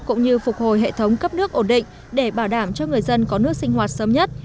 cũng như phục hồi hệ thống cấp nước ổn định để bảo đảm cho người dân có nước sinh hoạt sớm nhất